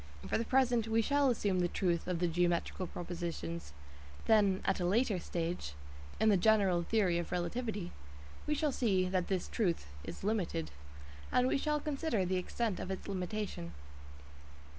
For the present we shall assume the "truth" of the geometrical propositions, then at a later stage (in the general theory of relativity) we shall see that this "truth" is limited, and we shall consider the extent of its limitation.